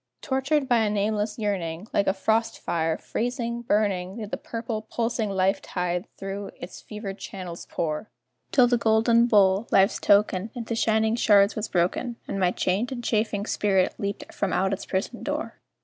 Tortured by a nameless yearning, Like a frost fire, freezing, burning, Did the purple, pulsing life tide through its fevered channels pour, Till the golden bowl Life's token Into shining shards was broken, And my chained and chafing spirit leaped from out its prison door.